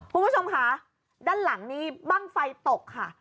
คุณผู้ชมค่ะด้านหลังนี้บ้างไฟตกค่ะ